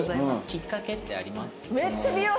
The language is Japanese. きっかけってあります？